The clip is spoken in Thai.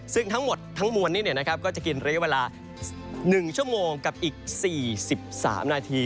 ซึ่งทั้งหมดทั้งมวลนี้เนี่ยนะครับก็จะกินเรียกเวลา๑ชั่วโมงกับอีก๔๓นาที